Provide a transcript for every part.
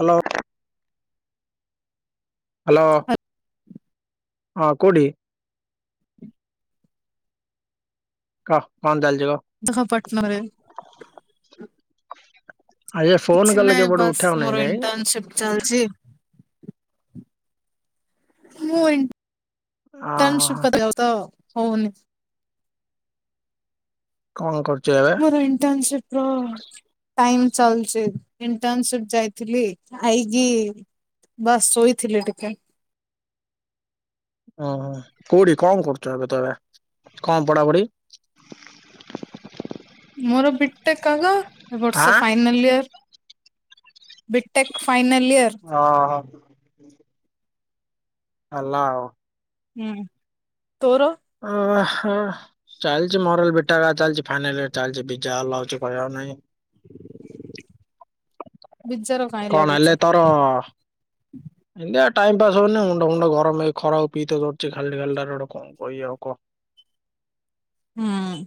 Hello. Hello. ହଁ। କୋଉଠି? କ କଣ ଚାଲିଛି କ? ଦେଖ ପଟନାରେ ଆରେ ଫୋନ କିଛି କଲେ ନାଇଁ କେବେଠୁ ବାସ୍ ଉଠାଉ ନାଇଁ ମୋର ନାଇଁ ଇଣ୍ଟର୍ନସିପ ଚାଲିଛି। ମୁଁ ଅହୋ ହୋ ଇଣ୍ଟରନସିପ [unintelligible] ହଉନି। କଣ କରୁଛୁ ଏବେ? ମୋର ଇଣ୍ଟନସିପ ର ଟାଇମ ଚାଲଚି ଇଣ୍ଟର୍ନସିପ ଯାଇଥିଲି ଆଇକି ବାସ୍ ଶୋଇଥିଲି ଟିକେ। ଓ ହୋ କୋଉଠି କଣ କରୁଛ ଏବେ ତବେ କଣ ପଢାପଢି? ମୋର ବିଟେକ ଆଗ ଏବର୍ଷ ଆଁ final clear BTech final final year. ଅ ହ। ହେଲା ଆଉ। ହୁଁ ତୋର? ଓ ହୋ। ଚାଲିଛି ମର ହେଲେ ବିଟେକ୍ ଏକା ଚାଲିଛି ଫାଇନାଲ ଇଅର୍ ଚାଲିଛି ବିଯାର ଲାଗୁଛି କହିବାର ନାହିଁ। ବିଜର କଣ ହେଲେ ତର? ଏମତି ଆଉ ଟାଇମ ପାସ୍ ହଉନି ମୁଣ୍ଡ ମୁଣ୍ଡ ଗରମ ହେଇ ଖରାକୁ ପିଏତେ ଚଢ଼ୁଚି ଖାଲି ଖାଲି ଟାରେ ଆଉ କଣ କଇବା ଆଉ କ। ହୁଁ।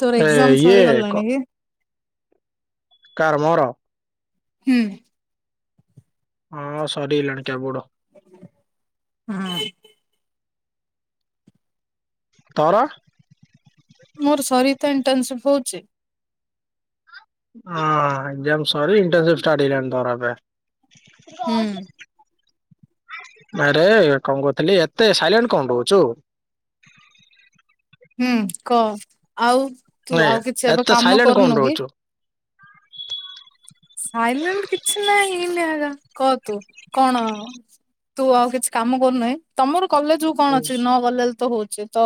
ତୋର ଏ ଏକ୍ଜାମ ଇଏ ସରିଗଲାଣି କ କି କାର ମର ହୁଁ। ହଁ ସରିଲାଣି କେବଡ। ହଁ। ତର ମୋର ସରିତା ଇଣ୍ଟର୍ନସିପ୍ ହଉଛି। ହଁ ଏକଜ୍ଜାମ ସରି ଇଣ୍ଟର୍ନସିପ ଷ୍ଟାର୍ଟ ହେଇଗଲାଣି ତମର ଏବେ? ହୁଁ ଆରେ କଣ କହୁଥିଲି ଏତେ ସାଇଲେଣ୍ଟ କଣ ରହୁଛୁ? ହୁଁ କ ଆଉ ତୁ ଏ ଆଉ କିଛି ଏବେ ଏତେ କାମ ସାଇଲେଣ୍ଟ କଣ କରୁନୁ କି? ରହୁଛୁ? ସାଇଲେଣ୍ଟ କିଛି ନା ହେଇନି ହେକା କହ ତୁ କଣ? ତୁ ଆଉ କିଛି କାମ କରୁନାହିଁ ତମର କଲେଜଉ କଣ ଅଛି ନ କଲେଜ ତ ହଉଛି। ତ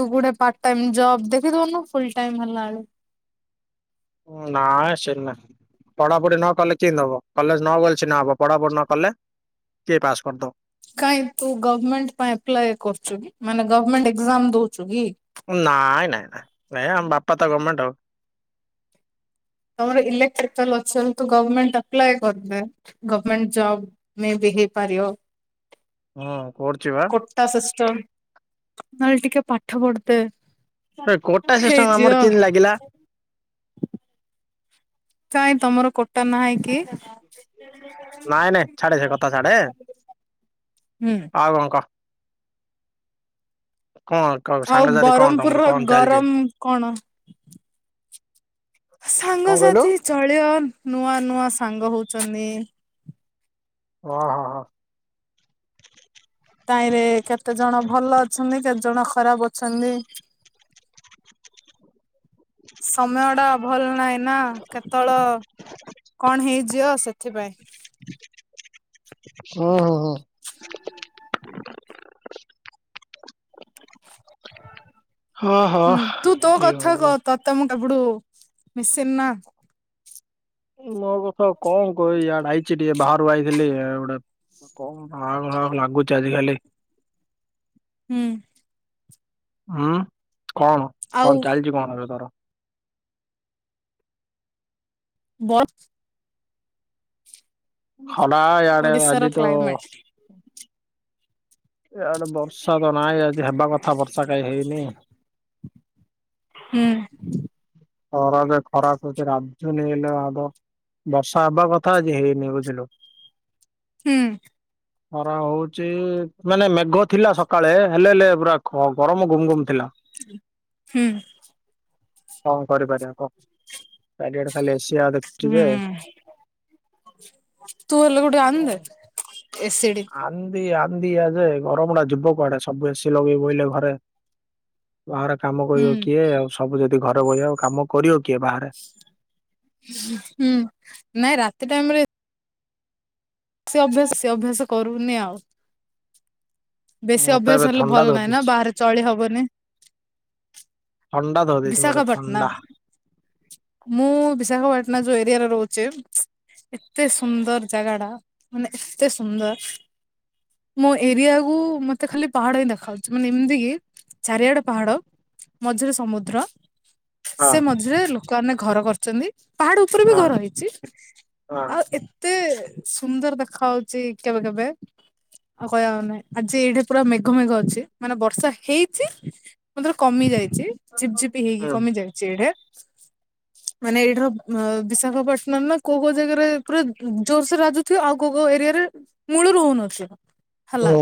ତୁ ଗୋଟେ ପାର୍ଟ ଟାଇମ ଜବ ଦେଖିଦଉନୁ ଫୁଲ ଟାଇମ ହେଲା ଆଳକୁ ନାଇ ସେନା ପଢାପଢି ନ କଲେ କେମିତି ଦବ କଲେଜ ନ ଗଲେଛି ନ ହବ ପଢାପଢି ନ କଲେ କିଏ ପାସ୍ କରିଦବ? କାଇଁ ତୁ ଗମେଣ୍ଟ ପାଇଁ ଆପ୍ଲାଏ କରୁଛୁ କି ମାନେ ଗମେଣ୍ଟ ଏକ୍ଜାମ ଦଉଛୁ କି? ନାଇଁ ନାଇଁ ନାଇଁ ନାଇଁ ଆମ ବାପା ତ ଗମେଣ୍ଟ ଆଉ। ତମର ଇଲେକ୍ଟ୍ରିକାଲ ଅଛି ଯଦି ତୁ ଗମେଣ୍ଟ ଆପ୍ଲାଏ କରିଦେ ଗମେଣ୍ଟ ଜବ୍ ମେ ବି ହେଇପାରିବ। ହୁଁ କରୁଛି ବା। ତା ସିଷ୍ଟ ନହେଲେ ଟିକେ ପାଠ ପଢତେ। କୋଟା ସିଷ୍ଟମ ଆମର କେମତି ଲାଗିଲା। କାଇଁ ତମର କୋଟା ନାହିଁ କି? ନାଇଁ ନାଇଁ ଛାଡେ ସେ କଥା ଛାଡେ ହୁଁ ଆଉ କଣ କହ? କଣ କ ଆଉ ସାଙ୍ଗସାଥି କଣ ତମର ବ୍ରହ୍ମପୁରର କଣ ଚାଲିଛି? ଗରମ କଣ? କଣ କହିଲୁ? ସାଙ୍ଗସାଥି ଚଳିୟ ନୂଆ ନୂଆ ସାଙ୍ଗ ହଉଚନ୍ତି। ଓ ହ ହ। ତାହିଁରେ କେତେ ଜଣ ଭଲ ଅଛନ୍ତି କେତେ ଜଣ ଖରାପ ଅଛନ୍ତି। ସମୟ ଟା ଭଲ ନାହିଁ ନା କେତେଳ କଣ ହେଇଯିବ ସେଥିପାଇଁ। ଓ ହୋ ହୋଁ। ହଁ ହୁଁ ହଁ ତୁ ତୋ କି କଥା ହବ କହ ତତେ ମୁ କେବେଠୁ ମିସିନ୍ ନା ମୋ କଥା କଣ କହଇଆଡା ଆଇଛି ଟିକେ ବାହାରୁ ଆଇଥିଲି ଗୋଟେ କଣ ଭାନ ଭାଁ ଲାଗୁଛି ଆଜିିକାଲି। ହୁଁ। ହୁଁ କଣ ଆଉ କଣ ଚାଲିଛି କଣ ଏବେ ତୋର ବତ। ଖଡା ଇଆଡେ ଓଡିଶାର ଆଜି ତ କ୍ଲାଇମେଟ ଏଆଡେ ବର୍ଷା ତ ନାଇଁ ଆଜି ହେବା କଥା ବର୍ଷା କାହିଁ ହେଇନି। ହୁଁ। ଖରା ଯେ ଖରା କରୁଛି ରାଝୁନି ହେଲେ ଆଗ। ବର୍ଷା ହେବା କଥା ଆଜି ହେଇନି ବୁଝିଲୁ। ହୁଁ। ଖରା ହଉଚି ମାନେ ମେଘ ଥିଲା। ସକାଳେ ହେଲେ ହେଲେ ଲେ ପୁରା ଗରମ ଗୁମ ଗୁମ ଥିଲା। ହୁଁ। କଣ କରିପାରିବା କହ ଚାରିଆଡେ କାଲିଆ ହୁଁ ତୁ ହେଲେ ଗୁଟେ ଯେ ଆନ୍ଦେ। ଏସିଡି। ଆନ୍ଦି ଆନ୍ଦି ଆଯେ ଆ ଯେ ଗରମ ଗୁଡା ଯିବ କୁଆଡେ ସବୁ ଏସିି ଲଗେଇ ବୋଇଲେ ଘରେ। ବାହାରେ କାମ ହୁଁ କରିବ କିଏ ଆଉ ସବୁ ଯଦି ଘରେ ବହିବ ଆଉ କାମ କରିବ କିଏ ବାହାରେ ହୁଁ ନାଇଁ ରାତି ଟାଇମରେ ସେ ଅଭ୍ୟାସ ସେ ଅଭ୍ୟାସ କରୁନି ଆଉ। ବେଶୀ ମତେ ଅଭ୍ୟାସ ଏବେ ହେଲେ ଥଣ୍ଡା ଭଲ ନାହିଁ ନା ଧରିଦେଇଛି ବାହାରେ ଚଳି ହବନି। ଥଣ୍ଡା ଧରିଦେଇଛି ମତେ ବିଶାଖାପାଟଣା ଥଣ୍ଡା। ମୁଁ ବିଶାଖାପାଟଣା ଯୋଉ ଏରିଆରେ ରହୁଛି ଏତେ ସୁନ୍ଦର ଜାଗାଟା ମାନେ ଏତେ ସୁନ୍ଦର ମୋ ଏରିଆକୁୁ ମତେ ଖାଲି ପାହାଡ ହିଁ ଦେଖାଯାଉଛି। ମାନେ ଏମିତି କି ଚାରିଆଡେ ପାହାଡ ମଝିରେ ସମୁଦ୍ର। ଦ୍ର ହଁ ସେ ମଝିରେ ଲୋକମାନେ ଘର କରିଛନ୍ତି। ପାହାଡ ଉପରେ ବି ହଁ ଘର ହେଇଛି ହଁ ଆଉ ଏ ଏତେ ସୁନ୍ଦର ଦେଖାହଉଛି କେବେ କେବେ ଆଉ କହିବା ହଉନାହିଁ। ଆଜି ଏଇଠି ପୁରା ମେଘ ମେଘ ଅଛି ମାନେ ବର୍ଷା ହେଇଛି। ମାତ୍ର କମିଯାଇଛି ଝିପ ଝିପି ହେଇକି ହୁଁ। କମିଯାଇଛି ଏଡେ। [inaudible] ମାନେ ଏଇଠ ର ବିଶାଖାପଟଣ ନା କୋ କୋ ଜାଗାରେ ପୁରା ଜୋରସୋର ରାଜୁ ଥିବ ଆଉ କୋ କୋ ଏରିଆରେ ମୂଳରୁ ହୁଉନଥିବ ହେଲା। ହୁଁ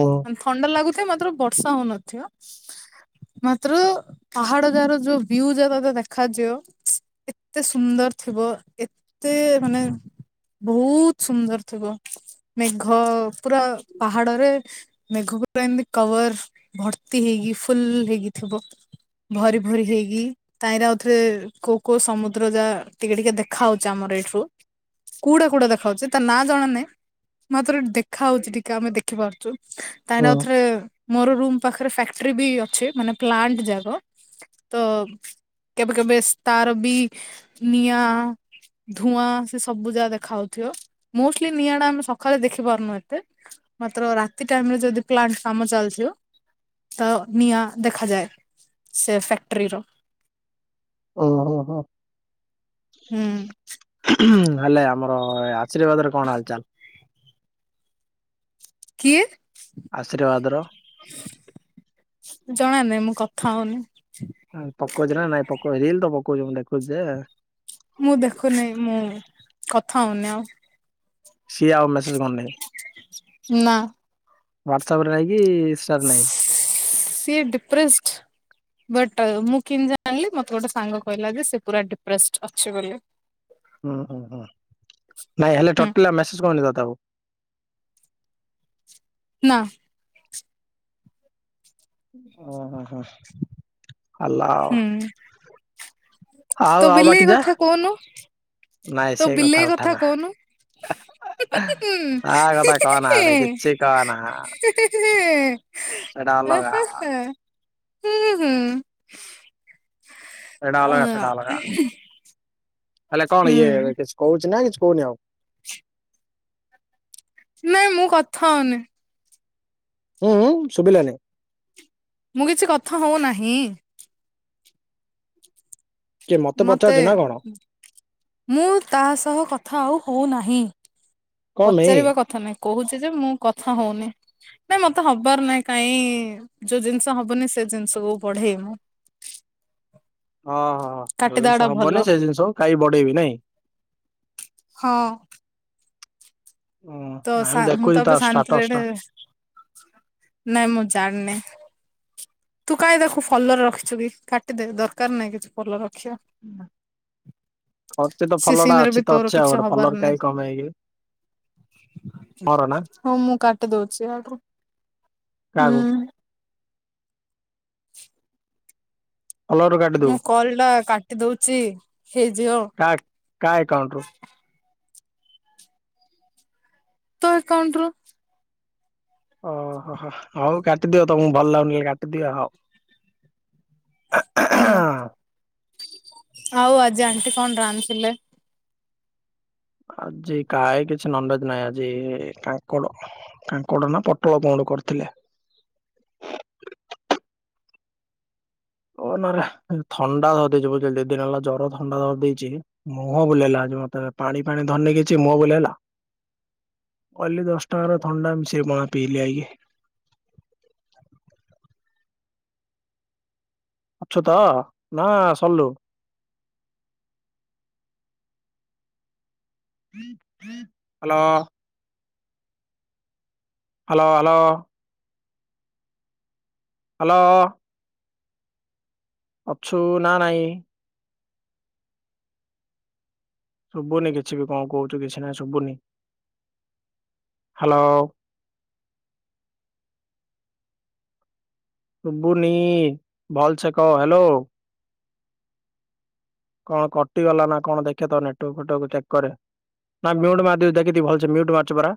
ଥଣ୍ଡା ଲାଗୁଥିବ ମାତ୍ର ବର୍ଷା ହଉନଥିବ। ମାତ୍ର ପାହାଡ ତାର ଯୋଉ ଭିଉସ ଯାକ ଦେଖାଯିବ ଏତେ ସୁନ୍ଦର ଥିବ ଏତ ତେ ମାନେ ବହୁତ୍ ସୁନ୍ଦର ଥିବ ମେଘ ପୁରା ପାହାଡରେ ମେଘ ପୁରା ଏମିତି କବର ଭର୍ତ୍ତି ହେଇକି ଫୁଲ୍ ହେଇକିଥିବ। ଭରି ଭରି ହେଇକି ତାଇଁରେ ଆଉଥରେ କୋଉ କୋଉ ସମୁଦ୍ର ଯା ଟିକେ ଟିକେ ଦେଖା ହଉଛି ଆମର ଏଇଠୁ କୁଉଟା କୁଉଟା ଦେଖାଉଛି ତା ନାଁ ଜଣାନାହିଁ। ମାତ୍ର ଏଇ ଦେ ଖା ହଉଛି ଟିକେ ଆମେ ଦେଖିପାରୁଚୁ କାହିଁକି ହୁଁ ନା ଆଉ ଥରେ ମୋର ରୁମ୍ ପାଖରେ ଫ୍ୟାକ୍ଟ୍ରି ବି ଅଛି ମାନେ ପ୍ଲାଣ୍ଟ ଯାକ ତ କେବେ କେବେ ସେ ତାର ବି ନିଆଁ ଧୂଆଁ ସେ ସବୁ ଯାହା ଦେଖାଯାଉଥିବ ମୋଷ୍ଟଲି ନିଆଁ ଟା ଆମେ ସକାଳେ ଦେଖି ପାରୁନୁ ଏତେ ମାତ୍ର ରାତି ଟାଇମ୍ ରେ ଯଦି ପ୍ଲାଣ୍ଟ କାମ ଚାଲିଥିବ ତ ନିଆଁ ଦେଖାଯାଏ। ସେ ଫ୍ୟାକ୍ଟ୍ରିର। ଓହୋ ହୋ‌। ହୁଁ। ଉଁ ଉଁ ହେଲେ ଆମର ଆଶ୍ରୀବାଦରେ କଣ ହାଲ ଚଲ୍। କିଏ ଆଶୀର୍ବାଦର ଜଣା ନାଇଁ ମୁଁ କଥା ହଉନି। ପକଉଚି ନା ନାଇଁ ପକ ରିଲ ତ ପକଉଛି ମୁଁ ଦେଖୁଛି ଯେ ମୁଁ ଦେଖୁନି ମୁଁ କଥା ହଉନି ଆଉ ସିଏ ଆଉ ମେସେଜ କରୁନି ନା। ହ୍ୱାଟ୍ ସପ ରେ ନାହିଁ କି ଇନଷ୍ଟା ନାହିଁ। ସିଏ ଡିପ୍ରେସ୍ଡ ବଟ୍ ମୁଁ କେମତି ଜାଣିଲି ମତେ ଗୋଟେ ସାଙ୍ଗ କହିଲା ଯେ ସେ ପୁରା ଡିପ୍ରେଷ୍ଟ ଅଛି ବୋଲି ହୁଁ ହୁଁ ହୁଁ ନାଇଁ ହେଲେ ହୁଁ ଟୋଟାଲେ ମେସେଜ କରୁନି ତତେ ଆଉ। ନାଁ। ଉଁ ହୁଁ ହୁଁ ଆଲା ଆଉ। ହୁଁ ତୋ ଆଉ ଆଉ ବିଲେଇ ବାକି ଯା କଥା କହୁନୁ ନାଇଁ ତୋ ସେ ବିଲେଇ କଥା ଉଠା ନା। କହୁନୁ। ହୁଁ ତା କଥା କହନା ଭାଇ କିଛି କହନା। [unintelligible] ସେଇଟା ଅଲଗା ହୁଁ ହୁଁ। ଏଟା ଅଲଗା ସେଟା ଅଲଗା। [unintelligible] ହେଲେ ହୁଁ କଣ ଇଏ କିଛି କହୁଛି ନା କିଛି କହୁନି ଆଉ? ନାଇଁ ମୁଁ କଥା ହଉନି। ଉଁ ଉଁ ଶୁବିଲାନି। ମୁଁ କିଛି କଥା ହଉନାହିଁ। କିଏ ମତେ ପଚାରୁଛୁ ନା କଣ ମୁଁ ତା ସହ କଥା ଆଉ ହଉନାହିଁ କଣ ପାଇଁ? ପଚାରିବା କଥା ନାହିଁ। କହୁଚି ଯେ ମୁଁ କଥା ହଉନି। ନାଇଁ ମତେ ହବାର ନାଇଁ କାଇଁ ଯୋଉ ଜିନିଷ ହବନି ସେ ଜିନିଷ କୁ ବଢେଇବି ମୁୁ। ଅ ହ ହ ଯୋଉ କାଟିଦବାଟା ଜିନିଷ ଭଲ ହବନି ସେ ଜିନିଷ କୁ କାଇଁ ବଢେଇବି ନାଇଁ? ହଁ। ହୁଁ ତ ନାଇଁ ସା ମୁଁ ଦେଖୁଛି ତ ତା ଏବେ ଶାନ୍ତିରେ ଷ୍ଟାଟସ ଏଡେ ଟା ନାଇଁ ମୁଁ ଜାଣିନି। ତୁ କାହିଁ ତାକୁ ଫଲରେ ରଖିଛୁ କି କାଟିଦେ ଦରକାର୍ ନାହିଁ କିଛି ଫଲର ରଖିବା। ନାଁ। ଖର୍ଚ୍ଚ ତ ସେ ଫଲ ଟା ସିନ୍ ରେ ବି ଅଛି ତ ତୋର ଅଛି ଆଉ କିଛି ଗୋଟେ ହବାର ଫଲର କାଇଁ କମେଇବି। ହଁ ମୁଁ କାଟି ଦଉଛି ଆଡୁ ଉଁ। କାହାକୁ [inaudible] ଫଲୋରୁ ମୁଁ କାଟିଦବୁ କଲ୍ ଟା କାଟି ଦଉଚି ହେଇଯିଅ କା କା ଏକାଉଣ୍ଟ ରୁ ତ ଏକାଉଣ୍ଡୁରୁ ଅ ହ ହ ହଉ କାଟିଦିଅ ତମକୁ ଭଲ ଲାଗୁନି ଏ କାଟିଦିଅ ହଉ। ହୁଁ ଆଉ ଆଜି ଆଣ୍ଟି କଣ ରାନ୍ଧିଥିଲେ? ଆଜି କାଇ କିଛି ନନଭେଜ ନାଇଁ ଆଜି କାଙ୍କଡ କାଙ୍କଡ ନା ପୋଟଳ କଁ ଗୋଟେ କରିଥିଲେ। ଓ ନରେ ଥଣ୍ଡା ଧରି ଦେଇଚି ବୁଝ ଦି ଦିନ ହେଲା ଜର ଥଣ୍ଡା ଧରି ଦେଇଚି। ମୁହଁ ବୁଲେଇଲା ମତେ ପାଣି ପାଣି ଧନେଇ କିଛି ମୁହଁ ବୁଲେଇଲା କଇଲି ଦଶ୍ ଟାଙ୍କାରେ ଥଣ୍ଡା ମିଶି ପଣା ପଇଲି ଆଇ ଅଛୁତ ନାଁ ସଲୁ? ହାଲୋ। Hello hello. ହାଲୋ। ଅଛୁ ନା ନାଇଁ? ଶୁଭୁନି କିଛି ବି କଣ କହୁଛୁ କିଛି କାଇଁ ଶୁବୁନି, ହ୍ୟାଲୋ ଶୁବୁନି ଭଲ୍ ଛେ କହ ହ୍ୟାଲୋ। କଣ କଟିଗଲା ନା କଣ ଦେଖିଆ ତ ନେଟ୍ ୱାକ୍ ଫେଟ ୱଆକ୍ ଚେକ୍ କରେ। ନା ମ୍ୟୁଟ୍ ମାର୍ ଦି ଦେଖି ଦେ ଭଲ୍ ସେ ମ୍ଯୁଟ୍ ମାରୁଚୁ ପରା।